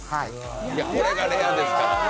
これがレアですから。